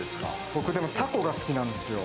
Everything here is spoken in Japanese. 僕はタコが好きなんですよ。